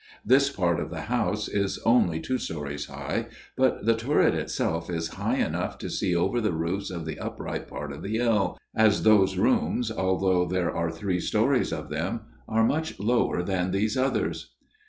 This part of the house is only two stories high, but the turret itself is high enough to see over the roofs of the upright part of the L, as those rooms, although there are three stories of them, are much lower than these others.